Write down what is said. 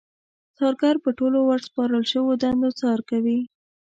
څارګر په ټولو ورسپارل شويو دنده څار کوي.